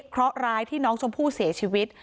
เพราะร้ายที่น้องชมพู่เสียชีวิต